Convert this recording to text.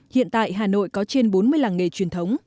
hiện tại hà nội có trên bốn mươi làng nghề truyền thống